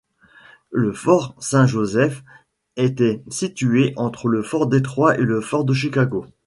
Le fort Saint-Joseph était situé entre le fort Détroit et le fort de Chicago.